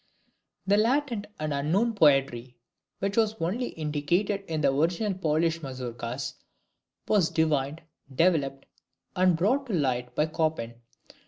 The latent and unknown poetry, which was only indicated in the original Polish Mazourkas, was divined, developed, and brought to light, by Chopin.